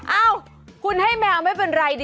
เอ้าคุณให้แมวไม่เป็นไรดิ